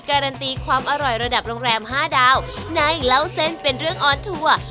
การันตีความอร่อยระดับโรงแรม๕ดาวนางเล่าเส้นเป็นเรื่องออนทัวร์